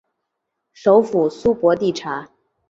首府苏博蒂察。